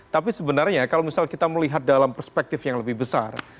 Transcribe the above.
tapi sebenarnya kalau misal kita melihat dalam perspektif yang lebih besar